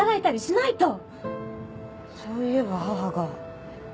そういえば母が。